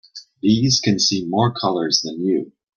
Bees can see more colors than you.